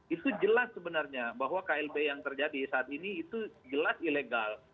itu jelas sebenarnya bahwa klb yang terjadi saat ini itu jelas ilegal